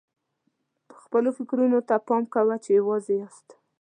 خپلو فکرونو ته پام کوه چې یوازې یاست.